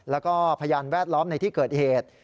แล้วก็พยานแวดล้อมในที่เกิดเหตุ